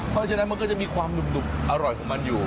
เพราะฉะนั้นมันก็จะมีความหนุ่มอร่อยของมันอยู่